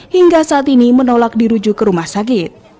hingga saat ini menolak dirujuk ke rumah sakit